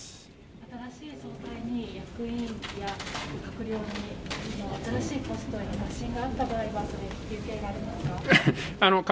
新しい総裁に役員や閣僚、新しいポストの打診があった場合は引き受けられますか？